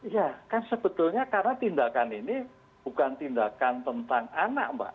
ya kan sebetulnya karena tindakan ini bukan tindakan tentang anak mbak